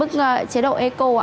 mức chế độ eco